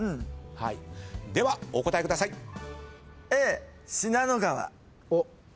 ではお答えください。